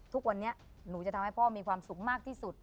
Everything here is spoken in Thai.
ทุกวันนี้หนูจะทำให้พ่อมีความสุขมากที่สุด